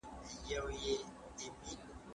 ابن خلدون د ټولنپوهنې مخکښ دی.